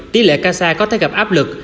tỷ lệ casa có thể gặp áp lực